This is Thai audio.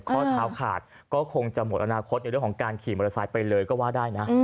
ข้อเท้าขาดก็คงจะหมดอนาคตในเรื่องของการขี่มอเตอร์ไซค์ไปเลยก็ว่าได้นะ